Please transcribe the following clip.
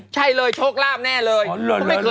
ใช่ไม่